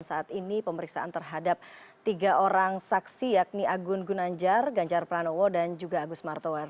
dan saat ini pemeriksaan terhadap tiga orang saksi yakni agun gunanjar ganjar pranowo dan juga agus martowar